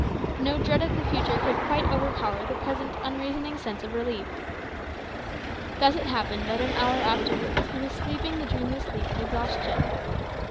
No dread of the future could quite overpower the present unreasoning sense of relief. Thus it happened that an hour afterwards he was sleeping the dreamless sleep of exhaustion.